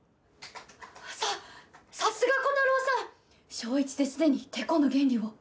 小１ですでにてこの原理を。